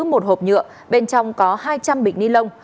một hộp nhựa bên trong có hai trăm linh bịch nilon